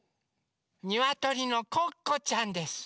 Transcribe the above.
にわとりのコッコちゃんです。